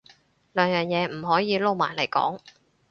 兩樣嘢唔可以撈埋嚟講